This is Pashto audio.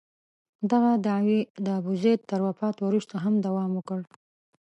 دغه دعوې د ابوزید تر وفات وروسته هم دوام وکړ.